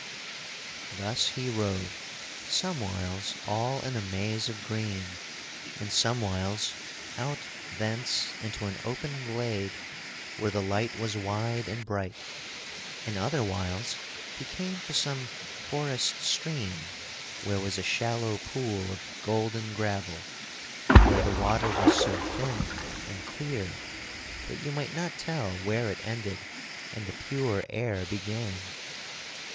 Thus he rode, somewhiles all in a maze of green, and somewhiles out thence into an open glade where the light was wide and bright; and other whiles he came to some forest stream where was a shallow pool of golden gravel, and where the water was so thin and clear that you might not tell where it ended and the pure air began.